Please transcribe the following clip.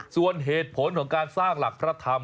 ส่วนเหตุผลของการสร้างหลักพระธรรม